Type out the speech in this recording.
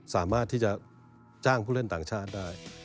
สามารถที่จะจ้างผู้เล่นต่างชาติได้